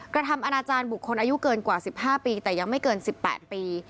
กระทำอนาจารย์บุคคลอายุเกินกว่า๑๕ปีแต่ยังไม่เกิน๑๘ปี